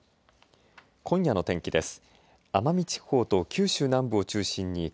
今夜の天気です。